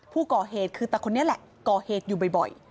ผู้ก่อเหตุคือตะคนนี้แหละก่อเหตุอยู่บ่อย